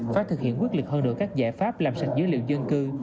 phải thực hiện quyết liệt hơn nữa các giải pháp làm sạch dữ liệu dân cư